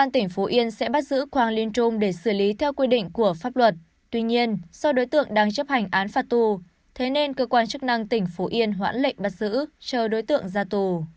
tuy nhiên do đối tượng đang chấp hành án phạt tù thế nên cơ quan chức năng tỉnh phú yên hoãn lệnh bắt giữ cho đối tượng ra tù